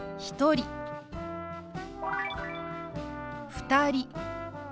「２人」。